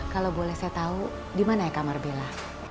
kalau boleh saya tahu di mana ya kamar bella